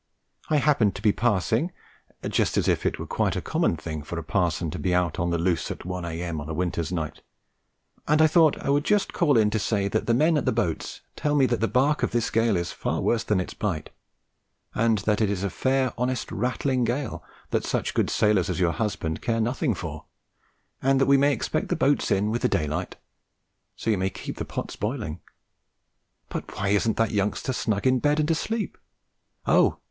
I happened to be passing" (just as if it were quite a common thing for a parson to be out on the loose at one a.m. on a winter's night), "and I thought I would just call in to say that the men at the boats tell me that the bark of this gale is far worse than its bite, and that it is a fair, honest, rattling gale that such good sailors as your husband care nothing for, and that we may expect the boats in with the daylight, so you may keep the pots boiling. But why isn't that youngster snug in bed and asleep? Oh!